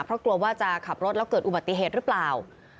เพราะกลัวว่าจะขับรถแล้วเกิดอุบัติเหตุหรือเปล่า